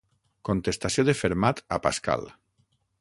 Contestació de Fermat a Pascal.